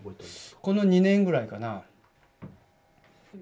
この２年ぐらいかな。